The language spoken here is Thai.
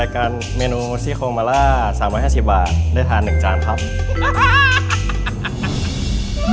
การเมนูซี่โคมาล่า๓๕๐บาทได้ทาน๑จานครับ